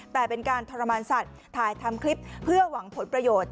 แต่เป็นการทรมานสัตว์ถ่ายทำคลิปเพื่อหวังผลประโยชน์